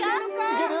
いける？